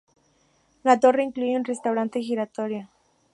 La torre incluye un restaurante giratorio.